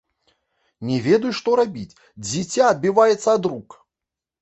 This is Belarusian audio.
Не ведаю, што рабіць, дзіця адбіваецца ад рук!